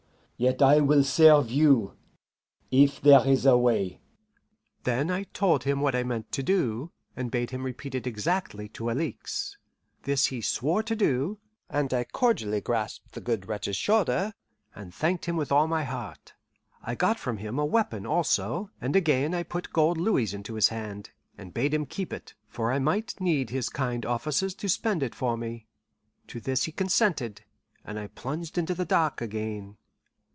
Yet I will serve you, if there is a way." Then I told him what I meant to do, and bade him repeat it exactly to Alixe. This he swore to do, and I cordially grasped the good wretch's shoulder, and thanked him with all my heart. I got from him a weapon, also, and again I put gold louis into his hand, and bade him keep it, for I might need his kind offices to spend it for me. To this he consented, and I plunged into the dark again.